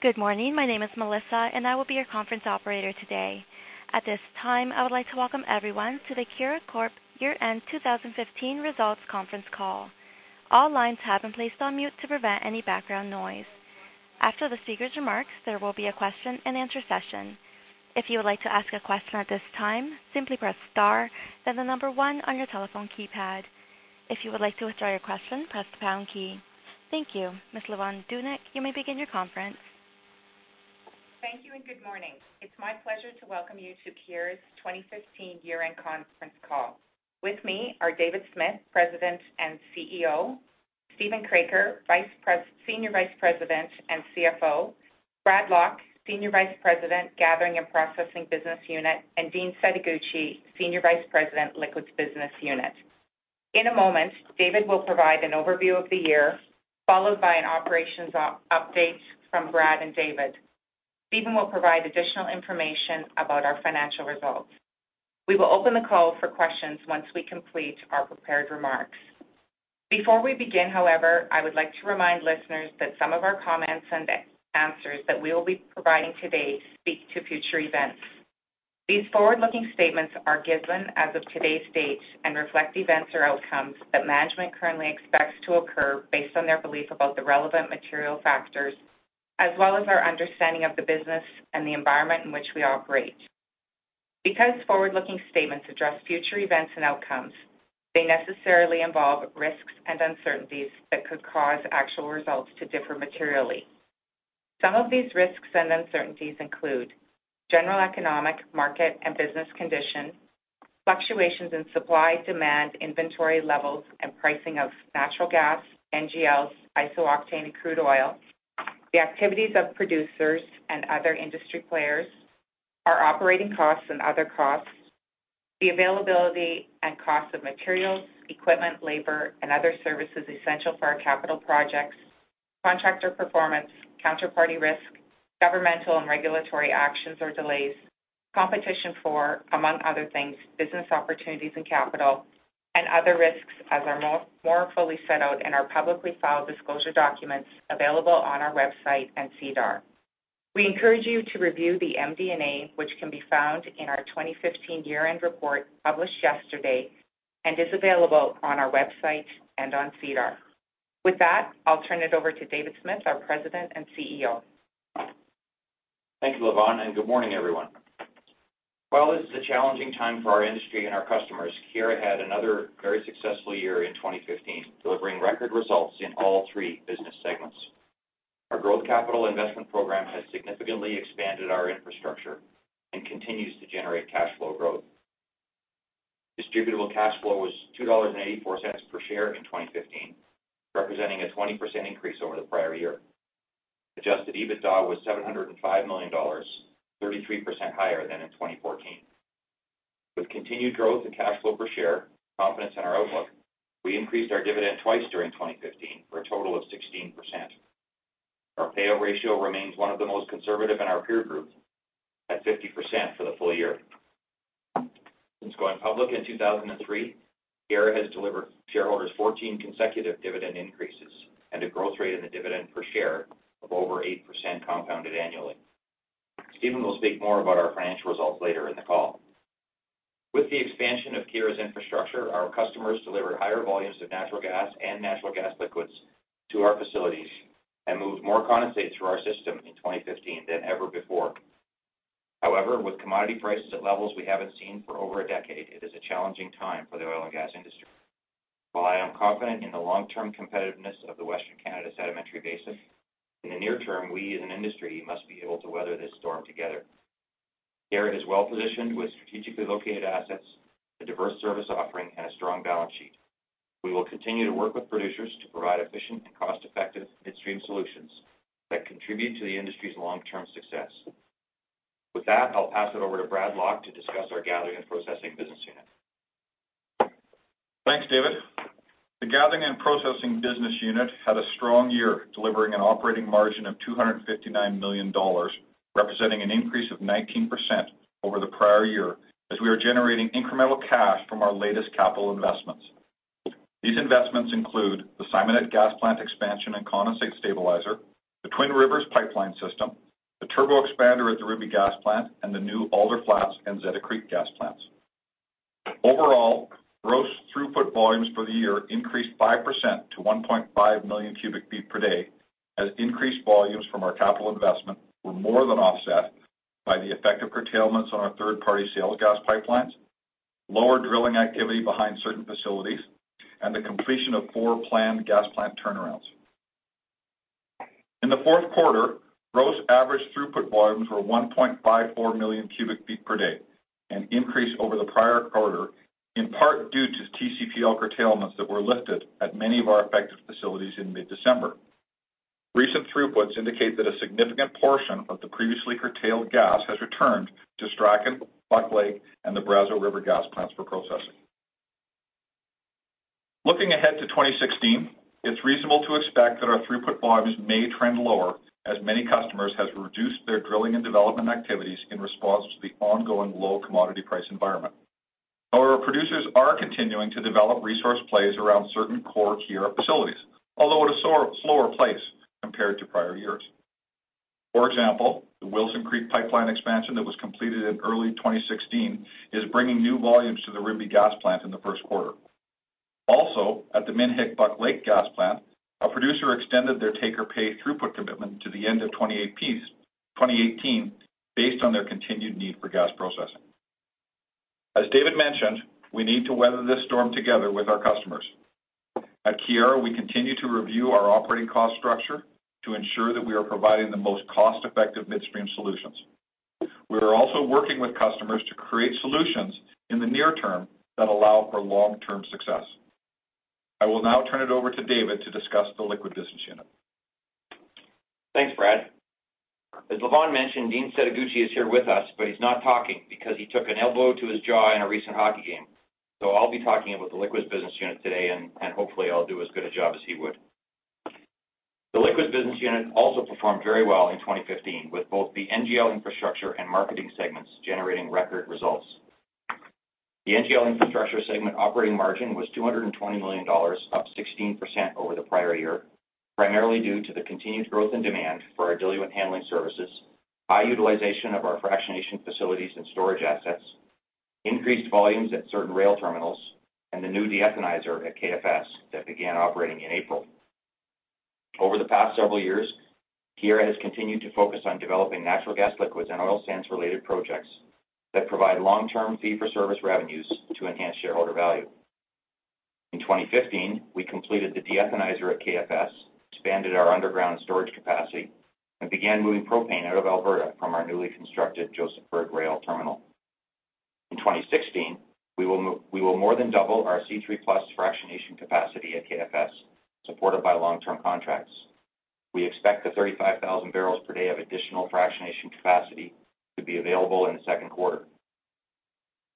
Good morning. My name is Melissa, and I will be your conference operator today. At this time, I would like to welcome everyone to the Keyera Corp Year-End 2015 Results Conference Call. All lines have been placed on mute to prevent any background noise. After the speakers' remarks, there will be a question-and-answer session. If you would like to ask a question at this time, simply press star, then the number one on your telephone keypad. If you would like to withdraw your question, press the pound key. Thank you. Ms. Lavonne Zdunich, you may begin your conference. Thank you and good morning. It's my pleasure to welcome you to Keyera's 2015 year-end conference call. With me are David Smith, President and CEO, Steven Kroeker, Senior Vice President and CFO, Brad Lock, Senior Vice President, Gathering and Processing Business Unit, and Dean Setoguchi, Senior Vice President, Liquids Business Unit. In a moment, David will provide an overview of the year, followed by an operations update from Brad and David. Steven will provide additional information about our financial results. We will open the call for questions once we complete our prepared remarks. Before we begin, however, I would like to remind listeners that some of our comments and answers that we will be providing today speak to future events. These forward-looking statements are given as of today's date and reflect events or outcomes that management currently expects to occur based on their belief about the relevant material factors, as well as our understanding of the business and the environment in which we operate. Because forward-looking statements address future events and outcomes, they necessarily involve risks and uncertainties that could cause actual results to differ materially. Some of these risks and uncertainties include general economic, market and business conditions, fluctuations in supply, demand, inventory levels, and pricing of natural gas, NGLs, iso-octane, and crude oil, the activities of producers and other industry players, our operating costs and other costs, the availability and cost of materials, equipment, labor, and other services essential for our capital projects, contractor performance, counterparty risk, governmental and regulatory actions or delays, competition for, among other things, business opportunities and capital, and other risks as are more fully set out in our publicly filed disclosure documents available on our website and SEDAR. We encourage you to review the MD&A, which can be found in our 2015 year-end report published yesterday and is available on our website and on SEDAR. With that, I'll turn it over to David Smith, our President and CEO. Thank you, Lavonne, and good morning, everyone. While this is a challenging time for our industry and our customers, Keyera had another very successful year in 2015, delivering record results in all three business segments. Our growth capital investment program has significantly expanded our infrastructure and continues to generate cash flow growth. Distributable cash flow was 2.84 dollars per share in 2015, representing a 20% increase over the prior year. Adjusted EBITDA was 705 million dollars, 33% higher than in 2014. With continued growth in cash flow per share, confidence in our outlook, we increased our dividend twice during 2015 for a total of 16%. Our payout ratio remains one of the most conservative in our peer group at 50% for the full year. Since going public in 2003, Keyera has delivered shareholders 14 consecutive dividend increases and a growth rate in the dividend per share of over 8% compounded annually. Steven will speak more about our financial results later in the call. With the expansion of Keyera's infrastructure, our customers delivered higher volumes of natural gas and natural gas liquids to our facilities and moved more condensate through our system in 2015 than ever before. However, with commodity prices at levels we haven't seen for over a decade, it is a challenging time for the oil and gas industry. While I am confident in the long-term competitiveness of the Western Canadian Sedimentary Basin, in the near term, we as an industry must be able to weather this storm together. Keyera is well-positioned with strategically located assets, a diverse service offering, and a strong balance sheet. We will continue to work with producers to provide efficient and cost-effective midstream solutions that contribute to the industry's long-term success. With that, I'll pass it over to Brad Lock to discuss our Gathering and Processing Business Unit. Thanks, David. The Gathering and Processing Business Unit had a strong year, delivering an operating margin of 259 million dollars, representing an increase of 19% over the prior year, as we are generating incremental cash from our latest capital investments. These investments include the Simonette gas plant expansion and condensate stabilizer, the Twin Rivers pipeline system, the turbo expander at the Rimbey gas plant, and the new Alder Flats and Zeta Creek gas plants. Overall, gross throughput volumes for the year increased 5% to 1.5 billion cu ft per day, as increased volumes from our capital investment were more than offset by the effect of curtailments on our third-party sale of gas pipelines, lower drilling activity behind certain facilities, and the completion of four planned gas plant turnarounds. In the fourth quarter, gross average throughput volumes were 1.54 billion cu ft per day, an increase over the prior quarter, in part due to TCPL curtailments that were lifted at many of our affected facilities in mid-December. Recent throughputs indicate that a significant portion of the previously curtailed gas has returned to Strachan, Buck Lake, and the Brazeau River gas plants for processing. Looking ahead to 2016, it's reasonable to expect that our throughput volumes may trend lower as many customers have reduced their drilling and development activities in response to the ongoing low commodity price environment. Our producers are continuing to develop resource plays around certain core Keyera facilities, although at a slower pace compared to prior years. For example, the Wilson Creek pipeline expansion that was completed in early 2016 is bringing new volumes to the Rimbey gas plant in the first quarter. Also, at the Minnehik-Buck Lake gas plant, a producer extended their take-or-pay throughput commitment to the end of 2018 based on their continued need for gas processing. As David mentioned, we need to weather this storm together with our customers. At Keyera, we continue to review our operating cost structure to ensure that we are providing the most cost-effective midstream solutions. We are also working with customers to create solutions in the near term that allow for long-term success. I will now turn it over to David to discuss the Liquids Business Unit. Thanks, Brad. As Lavonne mentioned, Dean Setoguchi is here with us, but he's not talking because he took an elbow to his jaw in a recent hockey game. I'll be talking about the Liquids Business Unit today, and hopefully, I'll do as good a job as he would. The Liquids Business Unit also performed very well in 2015, with both the NGL infrastructure and marketing segments generating record results. The NGL infrastructure segment operating margin was 220 million dollars, up 16% over the prior year, primarily due to the continued growth in demand for our diluent handling services, high utilization of our fractionation facilities and storage assets, increased volumes at certain rail terminals, and the new de-ethanizer at KFS that began operating in April. Over the past several years, Keyera has continued to focus on developing natural gas liquids and oil sands-related projects that provide long-term fee-for-service revenues to enhance shareholder value. In 2015, we completed the de-ethanizer at KFS, expanded our underground storage capacity, and began moving propane out of Alberta from our newly constructed Josephburg rail terminal. In 2016, we will more than double our C3+ fractionation capacity at KFS, supported by long-term contracts. We expect the 35,000 barrels per day of additional fractionation capacity to be available in the second quarter.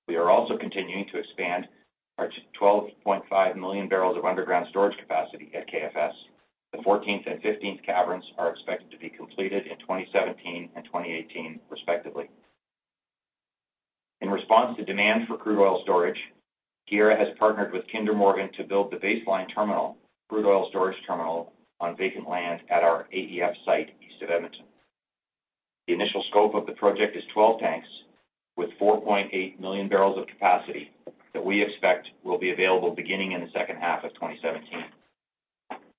We are also continuing to expand our 12.5 million barrels of underground storage capacity at KFS. The 14th and 15th caverns are expected to be completed in 2017 and 2018, respectively. In response to demand for crude oil storage, Keyera has partnered with Kinder Morgan to build the Baseline Terminal, a crude oil storage terminal on vacant land at our AEF site east of Edmonton. The initial scope of the project is 12 tanks with 4.8 million barrels of capacity that we expect will be available beginning in the second half of 2017.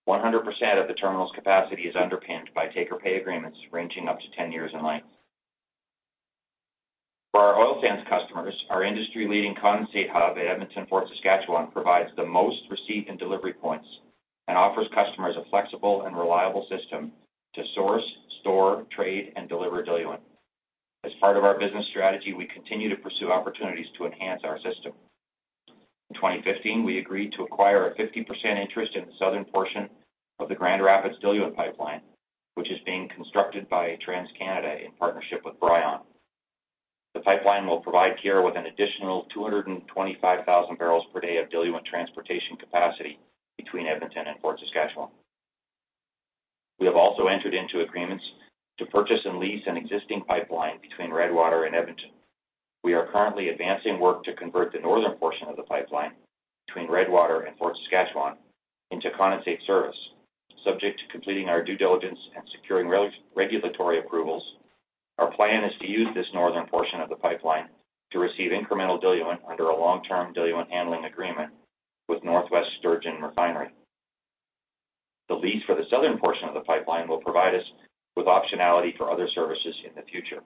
100% of the terminal's capacity is underpinned by take-or-pay agreements ranging up to 10 years in length. For our oil sands customers, our industry-leading condensate hub at Edmonton-Fort Saskatchewan provides the most receipt and delivery points and offers customers a flexible and reliable system to source, store, trade, and deliver diluent. As part of our business strategy, we continue to pursue opportunities to enhance our system. In 2015, we agreed to acquire a 50% interest in the southern portion of the Grand Rapids Diluent Pipeline, which is being constructed by TransCanada in partnership with Brion. The pipeline will provide Keyera with an additional 225,000 barrels per day of diluent transportation capacity between Edmonton and Fort Saskatchewan. We have also entered into agreements to purchase and lease an existing pipeline between Redwater and Edmonton. We are currently advancing work to convert the northern portion of the pipeline between Redwater and Fort Saskatchewan into condensate service. Subject to completing our due diligence and securing regulatory approvals, our plan is to use this northern portion of the pipeline to receive incremental diluent under a long-term diluent handling agreement with North West Sturgeon Refinery. The lease for the southern portion of the pipeline will provide us with optionality for other services in the future.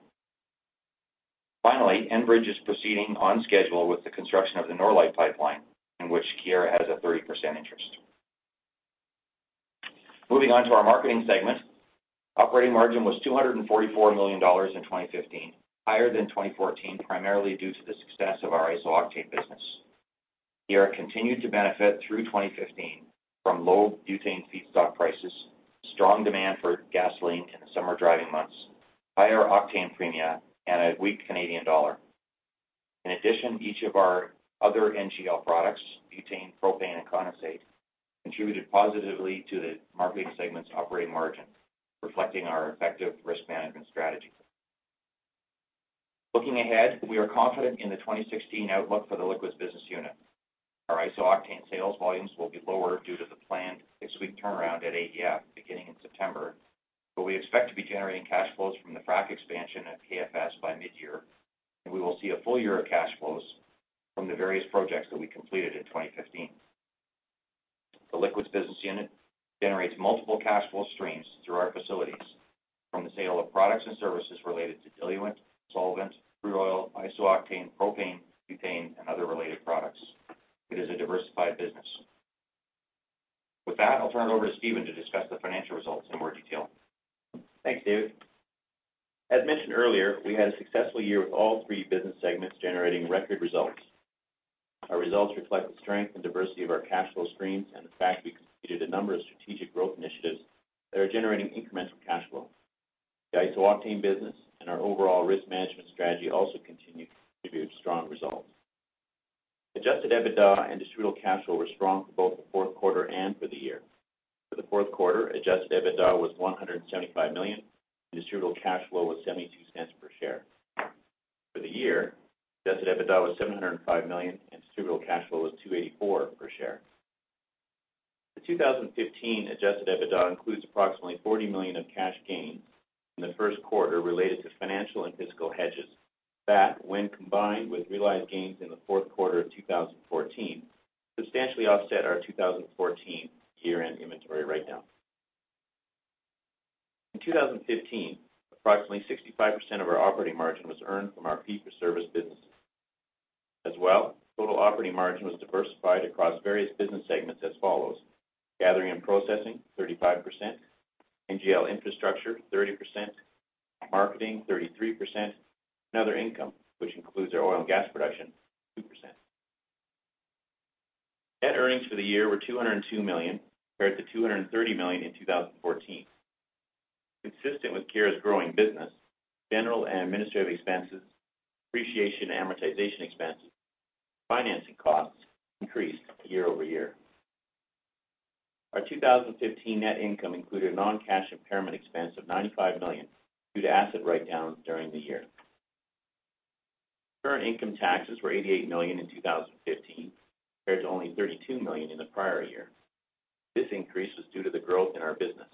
Finally, Enbridge is proceeding on schedule with the construction of the Norlite Pipeline, in which Keyera has a 30% interest. Moving on to our marketing segment. Operating margin was 244 million dollars in 2015, higher than 2014, primarily due to the success of our iso-octane business. Keyera continued to benefit through 2015 from low butane feedstock prices, strong demand for gasoline in the summer driving months, higher octane premia, and a weak Canadian dollar. In addition, each of our other NGL products, butane, propane, and condensate, contributed positively to the marketing segment's operating margin, reflecting our effective risk management strategy. Looking ahead, we are confident in the 2016 outlook for the Liquids Business Unit. Our iso-octane sales volumes will be lower due to the planned six-week turnaround at AEF beginning in September, but we expect to be generating cash flows from the frac expansion at KFS by mid-year, and we will see a full year of cash flows from the various projects that we completed in 2015. The Liquids Business Unit generates multiple cash flow streams through our facilities from the sale of products and services related to diluent, solvent, crude oil, iso-octane, propane, butane, and other related products. It is a diversified business. With that, I'll turn it over to Steven to discuss the financial results in more detail. Thanks, David. As mentioned earlier, we had a successful year with all three business segments generating record results. Our results reflect the strength and diversity of our cash flow streams and the fact we completed a number of strategic growth initiatives that are generating incremental cash flow. The iso-octane business and our overall risk management strategy also continued to give strong results. Adjusted EBITDA and distributable cash flow were strong for both the fourth quarter and for the year. For the fourth quarter, adjusted EBITDA was 175 million, distributable cash flow was 0.72 per share. For the year, adjusted EBITDA was 705 million and distributable cash flow was 2.84 per share. The 2015 adjusted EBITDA includes approximately 40 million of cash gains from the first quarter related to financial and physical hedges. That, when combined with realized gains in the fourth quarter of 2014, substantially offset our 2014 year-end inventory write-down. In 2015, approximately 65% of our operating margin was earned from our fee-for-service business. As well, total operating margin was diversified across various business segments. Gathering and Processing, 35%; NGL Infrastructure, 30%; Marketing, 33%; and other income, which includes our oil and gas production, 2%. Net earnings for the year were 202 million, compared to 230 million in 2014. Consistent with Keyera's growing business, general and administrative expenses, depreciation and amortization expenses, financing costs increased year-over-year. Our 2015 net income included non-cash impairment expense of 95 million due to asset write-downs during the year. Current income taxes were 88 million in 2015, compared to only 32 million in the prior year. This increase was due to the growth in our business,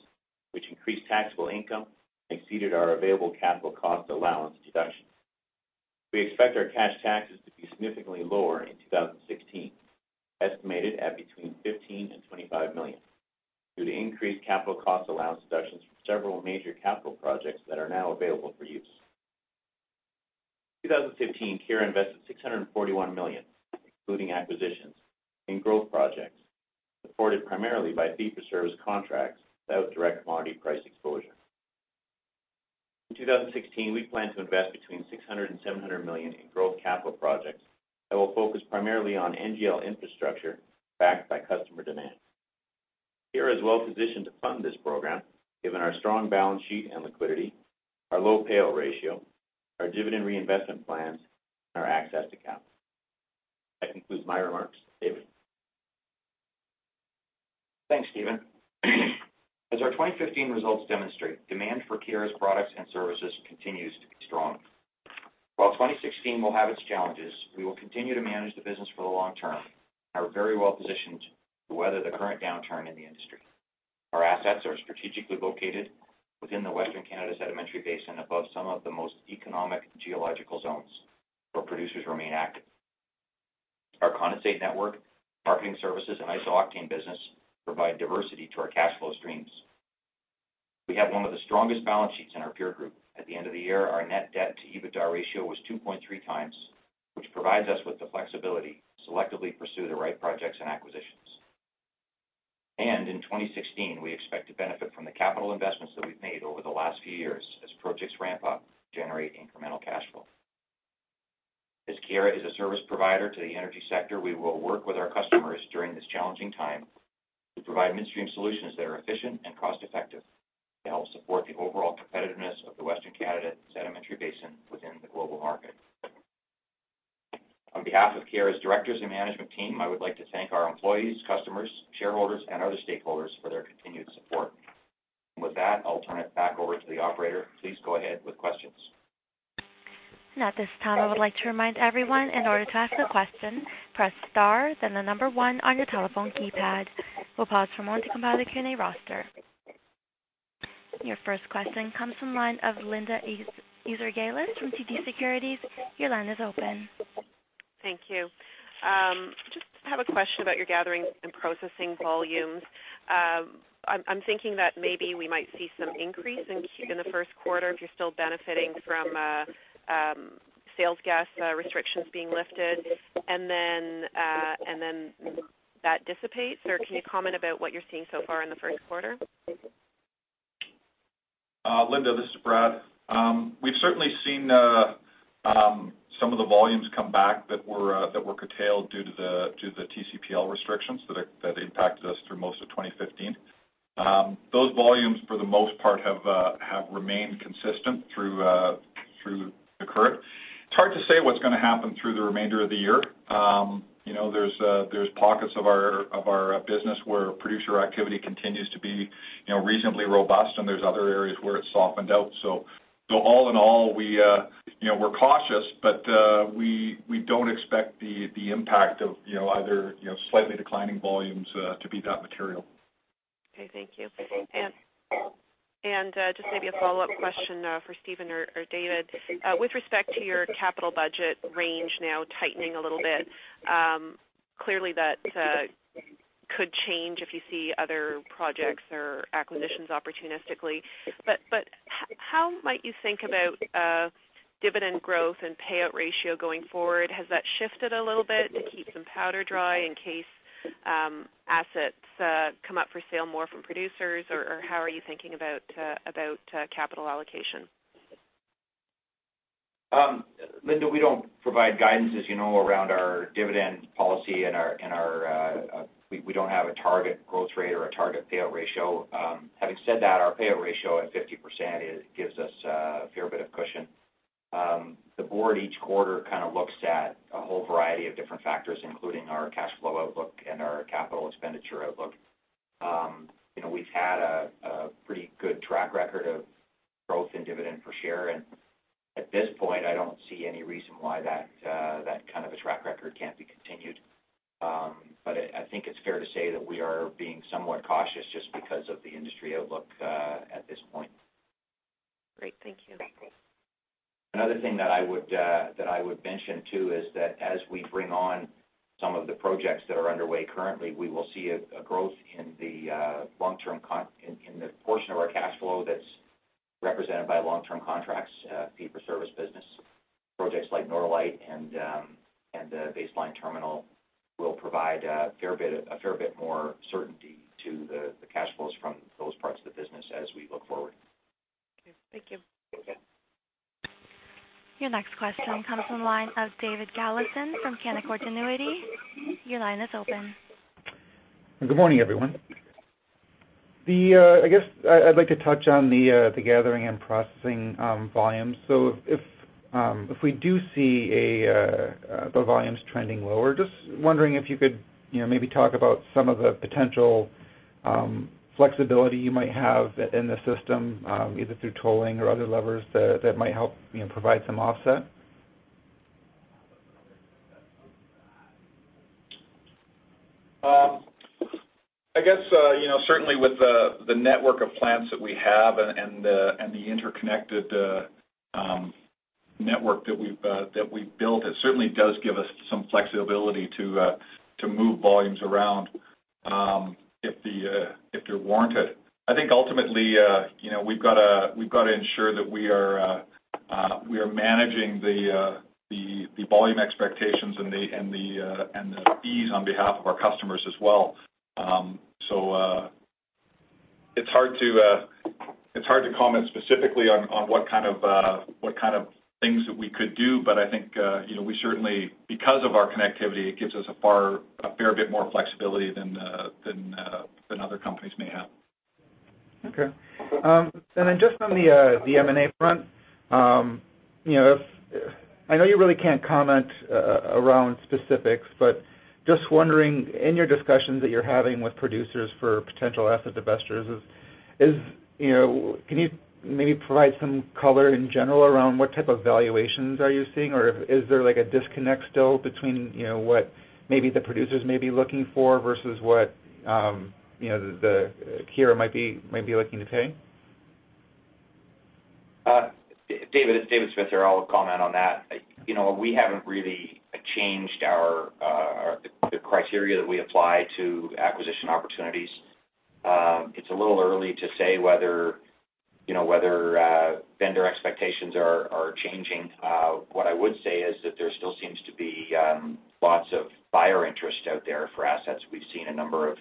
which increased taxable income and exceeded our available capital cost allowance deductions. We expect our cash taxes to be significantly lower in 2016, estimated at between 15 million and 25 million, due to increased capital cost allowance deductions from several major capital projects that are now available for use. In 2015, Keyera invested CAD 641 million, including acquisitions in growth projects, supported primarily by fee-for-service contracts without direct commodity price exposure. In 2016, we plan to invest between 600 million and 700 million in growth capital projects that will focus primarily on NGL infrastructure backed by customer demand. Keyera is well-positioned to fund this program, given our strong balance sheet and liquidity, our low payout ratio, our dividend reinvestment plans, and our accessed accounts. That concludes my remarks. David. Thanks, Steven. As our 2015 results demonstrate, demand for Keyera's products and services continues to be strong. While 2016 will have its challenges, we will continue to manage the business for the long term and are very well positioned to weather the current downturn in the industry. Our assets are strategically located within the Western Canada Sedimentary Basin above some of the most economic geological zones, where producers remain active. Our condensate network, marketing services, and iso-octane business provide diversity to our cash flow streams. We have one of the strongest balance sheets in our peer group. At the end of the year, our net debt to EBITDA ratio was 2.3x, which provides us with the flexibility to selectively pursue the right projects and acquisitions. In 2016, we expect to benefit from the capital investments that we've made over the last few years as projects ramp up to generate incremental cash flow. As Keyera is a service provider to the energy sector, we will work with our customers during this challenging time to provide midstream solutions that are efficient and cost-effective to help support the overall competitiveness of the Western Canada Sedimentary Basin within the global market. On behalf of Keyera's directors and management team, I would like to thank our employees, customers, shareholders, and other stakeholders for their continued support. With that, I'll turn it back over to the operator. Please go ahead with questions. At this time, I would like to remind everyone, in order to ask a question, press star then the number one on your telephone keypad. We'll pause for a moment to compile the Q&A roster. Your first question comes from the line of Linda Ezergailis from TD Securities. Your line is open. Thank you. Just have a question about your gathering and processing volumes. I'm thinking that maybe we might see some increase in the first quarter if you're still benefiting from sales gas restrictions being lifted, and then that dissipates. Or can you comment about what you're seeing so far in the first quarter? Linda, this is Brad. We've certainly seen some of the volumes come back that were curtailed due to the TCPL restrictions that impacted us through most of 2015. Those volumes, for the most part, have remained consistent through the current. It's hard to say what's gonna happen through the remainder of the year. There's pockets of our business where producer activity continues to be reasonably robust, and there's other areas where it's softened out. All in all, we're cautious, but we don't expect the impact of either slightly declining volumes to be that material. Okay, thank you. Just maybe a follow-up question for Steven or David. With respect to your capital budget range now tightening a little bit, clearly that could change if you see other projects or acquisitions opportunistically. How might you think about dividend growth and payout ratio going forward? Has that shifted a little bit to keep some powder dry in case assets come up for sale more from producers? How are you thinking about capital allocation? Linda, we don't provide guidance, as you know, around our dividend policy and our. We don't have a target growth rate or a target payout ratio. Having said that, our payout ratio at 50% gives us a fair bit of cushion. The board, each quarter, looks at a whole variety of different factors, including our cash flow outlook and our capital expenditure outlook. We've had a pretty good track record of growth in dividend per share, and at this point, I don't see any reason why that kind of a track record can't be continued. I think it's fair to say that we are being somewhat cautious just because of the industry outlook at this point. Great. Thank you. Another thing that I would mention too, is that as we bring on some of the projects that are underway currently, we will see a growth in the portion of our cash flow that's represented by long-term contracts, fee-for-service business. Projects like Norlite and Baseline Terminal will provide a fair bit more certainty to the cash flows from those parts of the business as we look forward. Okay. Thank you. Okay. Your next question comes from the line of David Galison from Canaccord Genuity. Your line is open. Good morning, everyone. I guess I'd like to touch on the gathering and processing volumes. If we do see the volumes trending lower, just wondering if you could maybe talk about some of the potential flexibility you might have in the system, either through tolling or other levers that might help provide some offset? I guess, certainly with the network of plants that we have and the interconnected network that we've built, it certainly does give us some flexibility to move volumes around if they're warranted. I think ultimately, we've got to ensure that we are managing the volume expectations and the fees on behalf of our customers as well. It's hard to comment specifically on what kind of things that we could do, but I think, we certainly, because of our connectivity, it gives us a fair bit more flexibility than other companies may have. Okay. Just on the M&A front, I know you really can't comment around specifics, but just wondering, in your discussions that you're having with producers for potential asset divestitures, can you maybe provide some color in general around what type of valuations are you seeing? Or is there a disconnect still between what maybe the producers may be looking for versus what Keyera might be looking to pay? David, it's David Smith here. I'll comment on that. We haven't really changed the criteria that we apply to acquisition opportunities. It's a little early to say whether vendor expectations are changing. What I would say is that there still seems to be lots of buyer interest out there for assets. We've seen a number of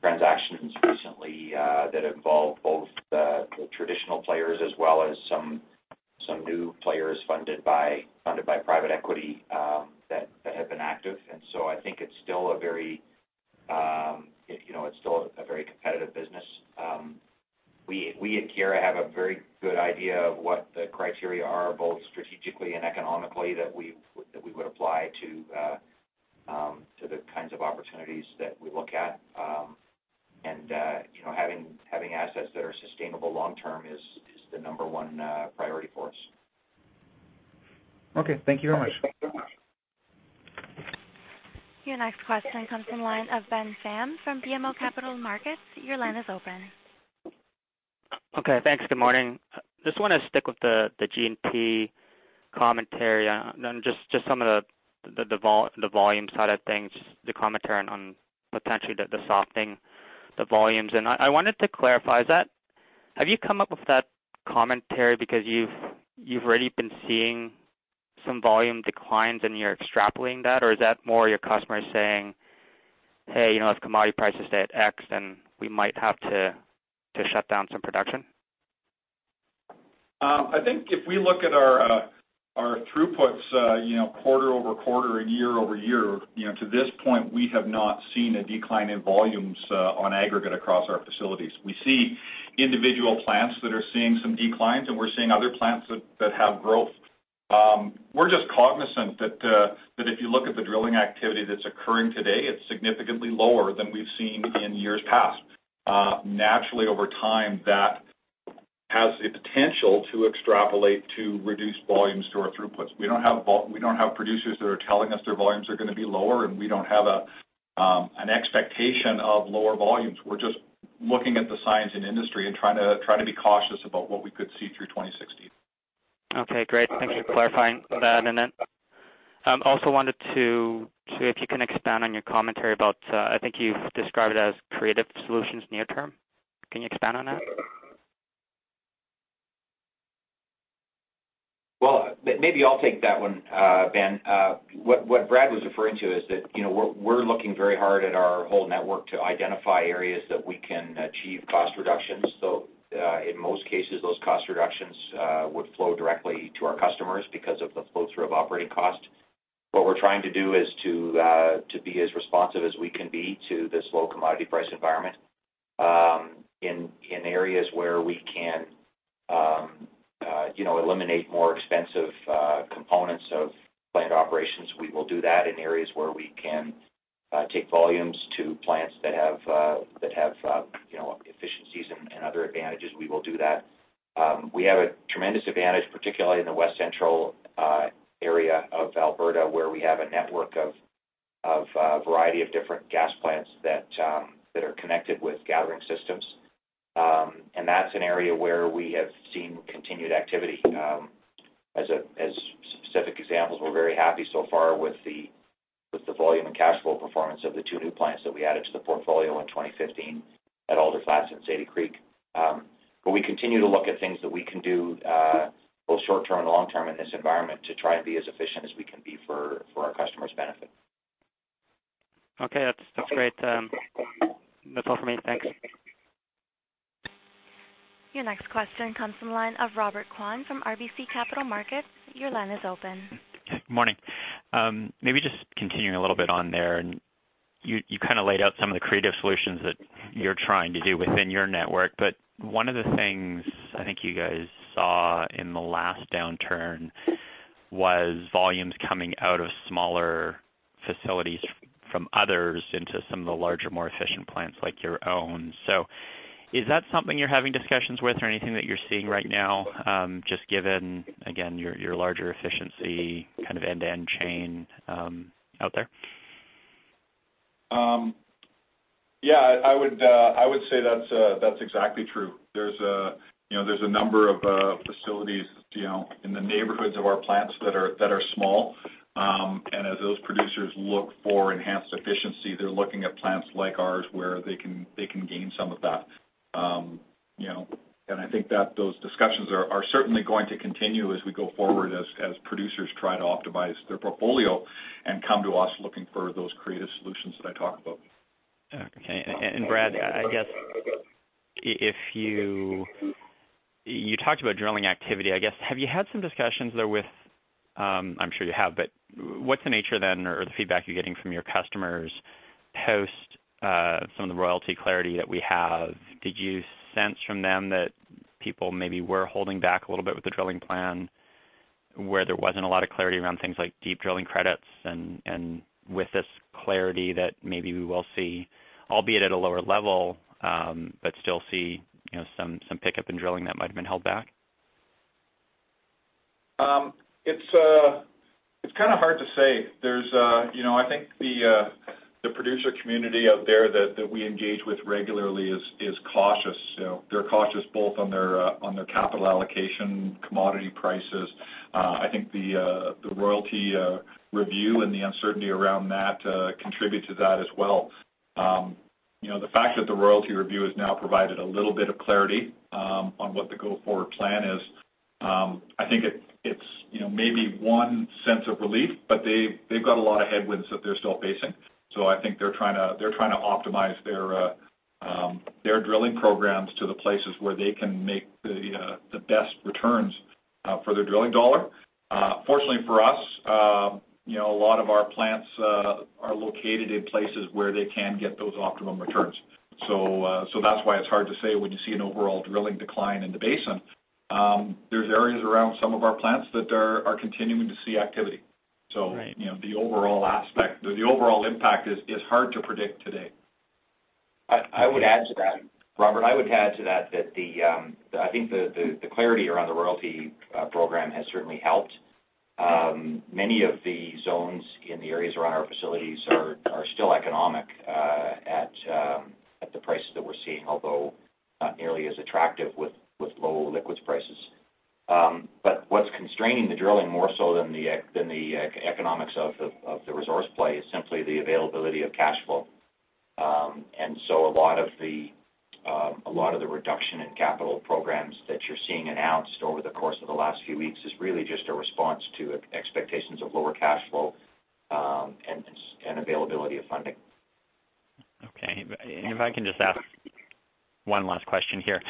transactions recently that involve both the traditional players as well as some new players funded by private equity that have been active. I think it's still a very competitive business. We at Keyera have a very good idea of what the criteria are, both strategically and economically, that we would apply to the kinds of opportunities that we look at. Having assets that are sustainable long-term is the number one priority for us. Okay. Thank you very much. Your next question comes from the line of Ben Pham from BMO Capital Markets. Your line is open. Okay, thanks. Good morning. Just want to stick with the G&P commentary on just some of the volume side of things, the commentary on potentially the softening the volumes. I wanted to clarify, have you come up with that commentary because you've already been seeing some volume declines and you're extrapolating that, or is that more your customers saying, hey, if commodity prices stay at X, then we might have to shut down some production. I think if we look at our throughputs quarter-over-quarter and year-over-year, to this point, we have not seen a decline in volumes on aggregate across our facilities. We see individual plants that are seeing some declines, and we're seeing other plants that have growth. We're just cognizant that if you look at the drilling activity that's occurring today, it's significantly lower than we've seen in years past. Naturally, over time, that has the potential to extrapolate to reduced volumes to our throughputs. We don't have producers that are telling us their volumes are going to be lower, and we don't have an expectation of lower volumes. We're just looking at the science and industry and trying to be cautious about what we could see through 2016. Okay, great. Thank you for clarifying that. Also wanted to see if you can expand on your commentary about I think you've described it as creative solutions near term. Can you expand on that? Well, maybe I'll take that one, Ben. What Brad was referring to is that we're looking very hard at our whole network to identify areas that we can achieve cost reductions. In most cases, those cost reductions would flow directly to our customers because of the flow through of operating cost. What we're trying to do is to be as responsive as we can be to this low commodity price environment. In areas where we can eliminate more expensive components of plant operations, we will do that. In areas where we can take volumes to plants that have efficiencies and other advantages, we will do that. We have a tremendous advantage, particularly in the west central area of Alberta, where we have a network of a variety of different gas plants that are connected with gathering systems. That's an area where we have seen continued activity. As specific examples, we're very happy so far with the volume and cash flow performance of the two new plants that we added to the portfolio in 2015 at Alder Flats and Zeta Creek. We continue to look at things that we can do, both short-term and long-term, in this environment to try and be as efficient as we can be for our customers' benefit. Okay. That's great. That's all for me. Thanks. Your next question comes from the line of Robert Kwan from RBC Capital Markets. Your line is open. Good morning. Maybe just continuing a little bit on there. You laid out some of the creative solutions that you're trying to do within your network, but one of the things I think you guys saw in the last downturn was volumes coming out of smaller facilities from others into some of the larger, more efficient plants like your own. Is that something you're having discussions with or anything that you're seeing right now, just given, again, your larger efficiency kind of end-to-end chain out there? Yeah, I would say that's exactly true. There's a number of facilities in the neighborhoods of our plants that are small. As those producers look for enhanced efficiency, they're looking at plants like ours where they can gain some of that. I think that those discussions are certainly going to continue as we go forward as producers try to optimize their portfolio and come to us looking for those creative solutions that I talked about. Okay. Brad, you talked about drilling activity. Have you had some discussions there with, I'm sure you have, but what's the nature then, or the feedback you're getting from your customers post some of the royalty clarity that we have? Did you sense from them that people maybe were holding back a little bit with the drilling plan where there wasn't a lot of clarity around things like deep drilling credits and with this clarity that maybe we will see, albeit at a lower level, but still see some pickup in drilling that might have been held back? It's kind of hard to say. I think the producer community out there that we engage with regularly is cautious. They're cautious both on their capital allocation, commodity prices. I think the royalty review and the uncertainty around that contribute to that as well. The fact that the royalty review has now provided a little bit of clarity on what the go-forward plan is, I think it's maybe one sense of relief, but they've got a lot of headwinds that they're still facing. I think they're trying to optimize their drilling programs to the places where they can make the best returns for their drilling dollar. Fortunately for us, a lot of our plants are located in places where they can get those optimum returns. That's why it's hard to say when you see an overall drilling decline in the basin. There's areas around some of our plants that are continuing to see activity. Right. The overall impact is hard to predict today. Robert, I would add to that I think the clarity around the royalty program has certainly helped. Many of the zones in the areas around our facilities are still economic at the prices that we're seeing, although not nearly as attractive with low liquids prices. What's constraining the drilling more so than the economics of the resource play is simply the availability of cash flow. A lot of the reduction in capital programs that you're seeing announced over the course of the last few weeks is really just a response to expectations of lower cash flow and availability of funding. Okay. If I can just ask one last question here.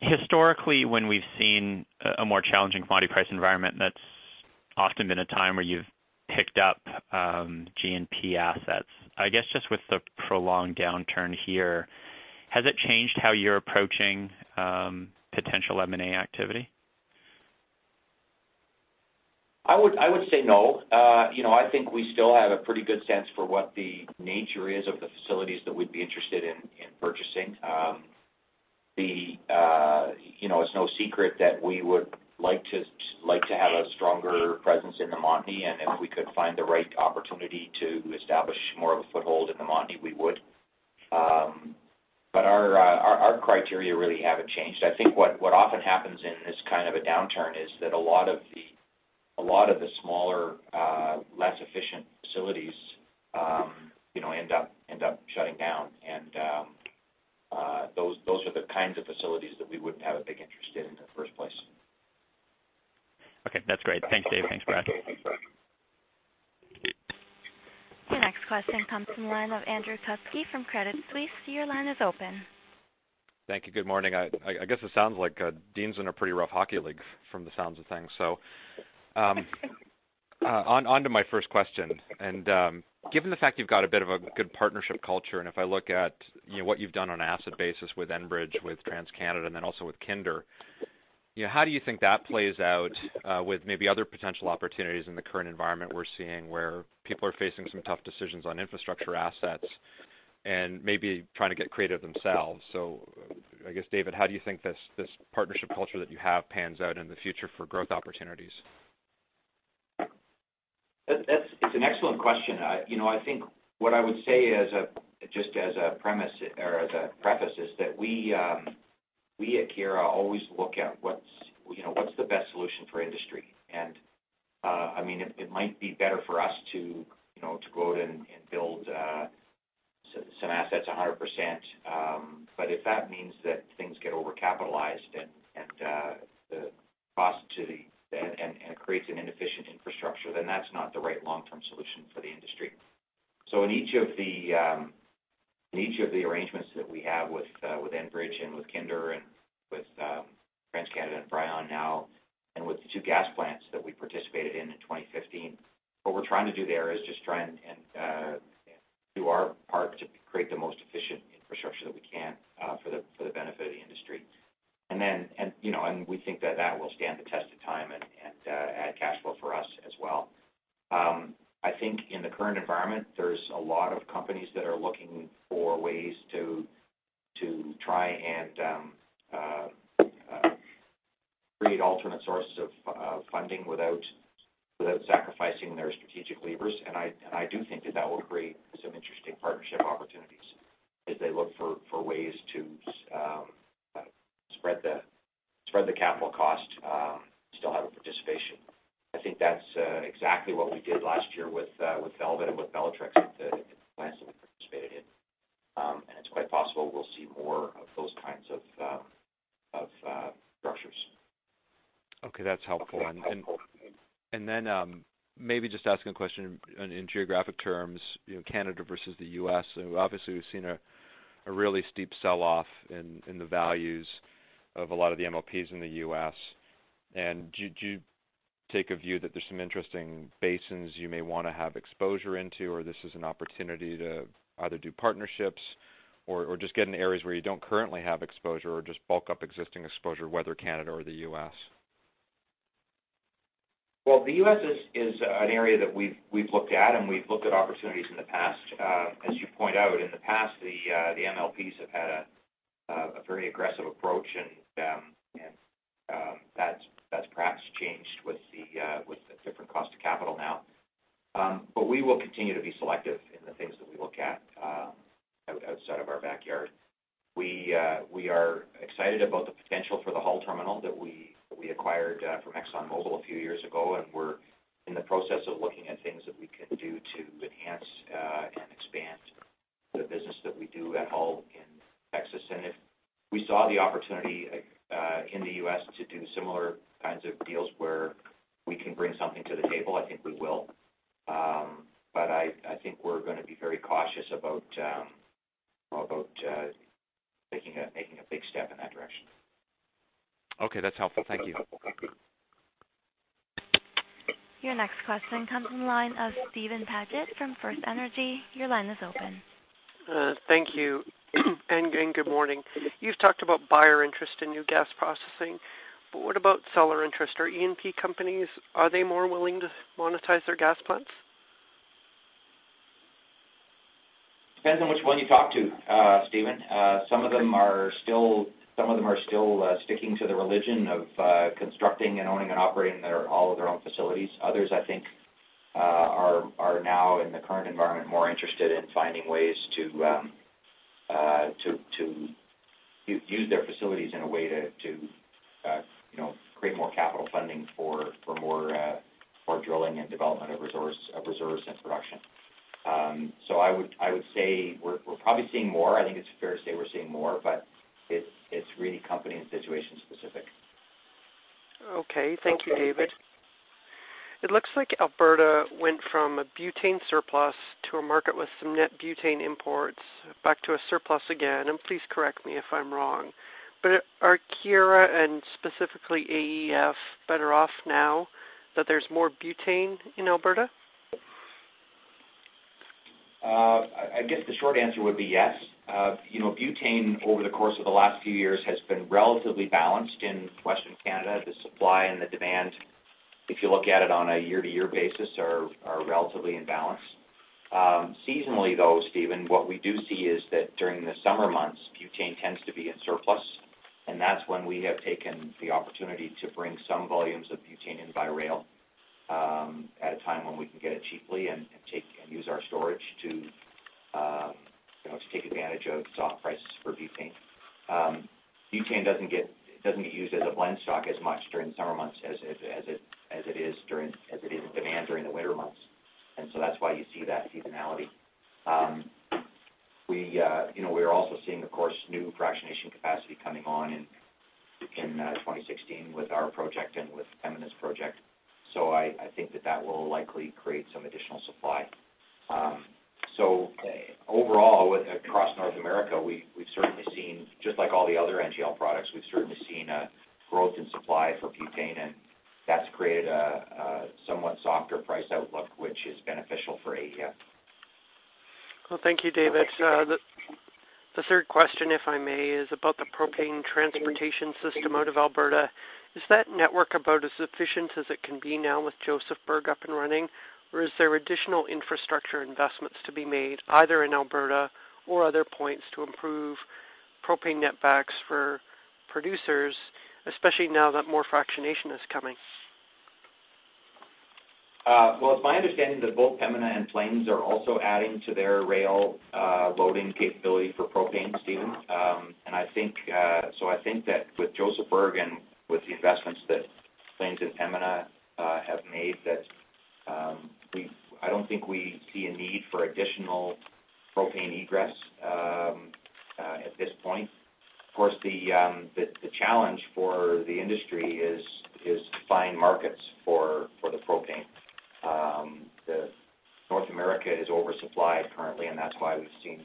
Historically, when we've seen a more challenging commodity price environment, that's often been a time where you've picked up G&P assets. I guess, just with the prolonged downturn here, has it changed how you're approaching potential M&A activity? I would say no. I think we still have a pretty good sense for what the nature is of the facilities that we'd be interested in purchasing. It's no secret that we would like to have a stronger presence in the Montney, and if we could find the right opportunity to establish more of a foothold in the Montney, we would. Our criteria really haven't changed. I think what often happens in this kind of a downturn is that a lot of the smaller, less efficient facilities end up shutting down. Those are the kinds of facilities that we wouldn't have a big interest in the first place. Okay. That's great. Thanks, David. Thanks, Brad. Thanks, Robert. Next question comes from the line of Andrew Kuske from Credit Suisse. Your line is open. Thank you. Good morning. I guess it sounds like Dean's in a pretty rough hockey league from the sounds of things. Onto my first question. Given the fact you've got a bit of a good partnership culture, and if I look at what you've done on an asset basis with Enbridge, with TransCanada, and then also with Kinder, how do you think that plays out with maybe other potential opportunities in the current environment we're seeing where people are facing some tough decisions on infrastructure assets and maybe trying to get creative themselves? I guess, David, how do you think this partnership culture that you have pans out in the future for growth opportunities? It's an excellent question. I think what I would say just as a premise or as a preface is that we at Keyera always look at what's the best solution for industry. It might be better for us to go out and build some assets 100%, but if that means that things get overcapitalized and creates an inefficient infrastructure, then that's not the right long-term solution for the industry. In each of the arrangements that we have with Enbridge and with Kinder Morgan and with TransCanada and Brion now, and with the two gas plants that we participated in in 2015, what we're trying to do there is just try and do our part to create the most efficient infrastructure that we can for the benefit of the industry. We think that that will stand the test of time and add cash flow for us as well. I think in the current environment, there's a lot of companies that are looking for ways to try and create alternate sources of funding without sacrificing their strategic levers. I do think that that will create some interesting partnership opportunities as they look for ways to spread the capital cost, still have a participation. I think that's exactly what we did last year with Velvet and with Bellatrix at the plants that we participated in. It's quite possible we'll see more of those kinds of structures. Okay, that's helpful. Maybe just asking a question in geographic terms, Canada versus the U.S. Obviously, we've seen a really steep sell-off in the values of a lot of the MLPs in the U.S. Do you take a view that there's some interesting basins you may want to have exposure into, or this is an opportunity to either do partnerships or just get in areas where you don't currently have exposure or just bulk up existing exposure, whether Canada or the U.S.? Well, the U.S. is an area that we've looked at, and we've looked at opportunities in the past. As you point out, in the past, the MLPs have had a very aggressive approach, and that's perhaps changed with the different cost of capital now. We will continue to be selective in the things that we look at outside of our backyard. We are excited about the potential for the Hull terminal that we acquired from ExxonMobil a few years ago, and we're in the process of looking at things that we can do to enhance and expand the business that we do at Hull in Texas. If we saw the opportunity in the U.S. to do similar kinds of deals where we can bring something to the table, I think we will. I think we're going to be very cautious about making a big step in that direction. Okay, that's helpful. Thank you. Your next question comes from the line of Steven Paget from FirstEnergy. Your line is open. Thank you. Good morning. You've talked about buyer interest in new gas processing, but what about seller interest? Are E&P companies more willing to monetize their gas plants? Depends on which one you talk to, Steven. Some of them are still sticking to the religion of constructing and owning and operating all of their own facilities. Others, I think, are now in the current environment, more interested in finding ways to use their facilities in a way to create more capital funding for more drilling and development of reserves and production. I would say we're probably seeing more. I think it's fair to say we're seeing more, but it's really company and situation specific. Okay. Thank you, David. It looks like Alberta went from a butane surplus to a market with some net butane imports back to a surplus again, and please correct me if I'm wrong. Are Keyera and specifically AEF better off now that there's more butane in Alberta? I guess the short answer would be yes. Butane over the course of the last few years has been relatively balanced in Western Canada. The supply and the demand, if you look at it on a year-to-year basis, are relatively in balance. Seasonally, though, Steven, what we do see is that during the summer months, butane tends to be in surplus, and that's when we have taken the opportunity to bring some volumes of butane in by rail at a time when we can get it cheaply and use our storage to take advantage of soft prices for butane. Butane doesn't get used as a blend stock as much during the summer months as it is in demand during the winter months, and so that's why you see that seasonality. We are also seeing, of course, new fractionation capacity coming on in 2016 with our project and with Pembina's project. I think that that will likely create some additional supply. Overall, across North America, we've certainly seen, just like all the other NGL products, we've certainly seen a growth in supply for butane, and that's created a somewhat softer price outlook, which is beneficial for AEF. Well, thank you, David. The third question, if I may, is about the propane transportation system out of Alberta. Is that network about as efficient as it can be now with Josephburg up and running, or is there additional infrastructure investments to be made, either in Alberta or other points to improve propane netbacks for producers, especially now that more fractionation is coming? Well, it's my understanding that both Pembina and Plains are also adding to their rail loading capability for propane, Steven. I think that with Josephburg and with the investments that Plains and Pembina have made, I don't think we see a need for additional propane egress at this point. Of course, the challenge for the industry is to find markets for the propane. North America is oversupplied currently, and that's why we've seen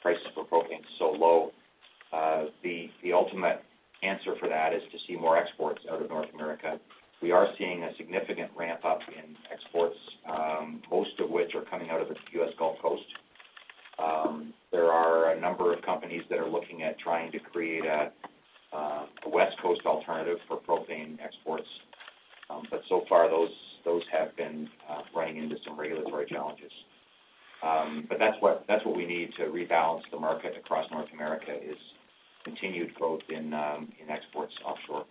prices for propane so low. The ultimate answer for that is to see more exports out of North America. We are seeing a significant ramp up in exports, most of which are coming out of the U.S. Gulf Coast. There are a number of companies that are looking at trying to create a West Coast alternative for propane exports. So far, those have been running into some regulatory challenges. That's what we need to rebalance the market across North America is continued growth in exports offshore.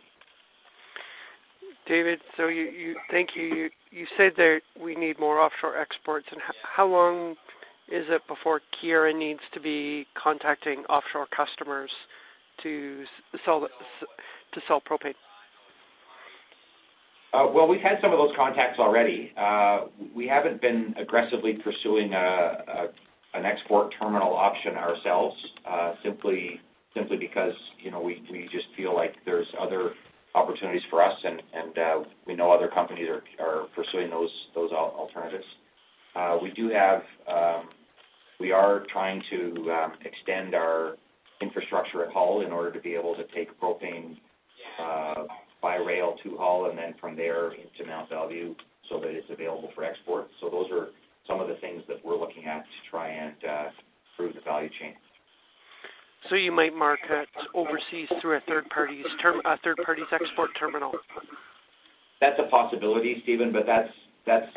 David, I think you said that we need more offshore exports. How long is it before Keyera needs to be contacting offshore customers to sell propane? Well, we've had some of those contacts already. We haven't been aggressively pursuing an export terminal option ourselves, simply because we just feel like there's other opportunities for us, and we know other companies are pursuing those alternatives. We are trying to extend our infrastructure at Hull in order to be able to take propane by rail to Hull and then from there into Mont Belvieu so that it's available for export. Those are some of the things that we're looking at to try and improve the value chain. You might market overseas through a third party's export terminal? That's a possibility, Steven, but that's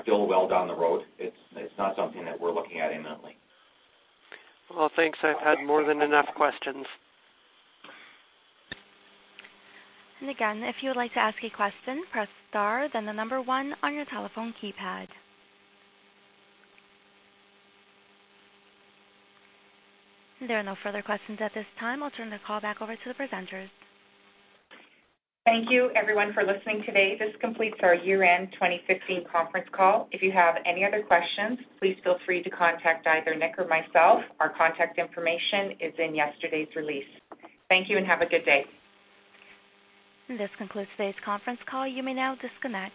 still well down the road. It's not something that we're looking at imminently. Well, thanks. I've had more than enough questions. Again, if you would like to ask a question, press star, then the number one on your telephone keypad. There are no further questions at this time. I'll turn the call back over to the presenters. Thank you everyone for listening today. This completes our year-end 2015 conference call. If you have any other questions, please feel free to contact either Nick or myself. Our contact information is in yesterday's release. Thank you and have a good day. This concludes today's conference call. You may now disconnect.